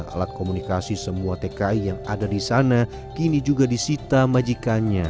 alat komunikasi semua tki yang ada di sana kini juga disita majikannya